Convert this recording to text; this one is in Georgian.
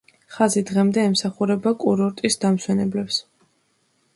ხაზი დღემდე ემსახურება კურორტის დამსვენებლებს.